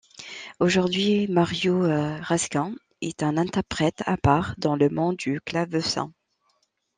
Aujourd'hui, Mario Raskin est un interprète à part dans le monde du clavecin.